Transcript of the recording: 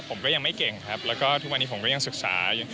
ผมก็ยังไม่เก่งก็ทุกวันที่ผมก็ยังศึกษา